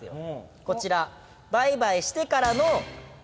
こちら。